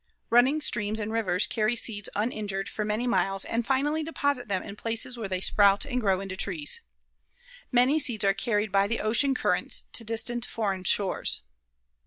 Running streams and rivers carry seeds uninjured for many miles and finally deposit them in places where they sprout and grow into trees. Many seeds are carried by the ocean currents to distant foreign shores.